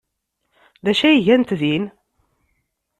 D acu ay gant din?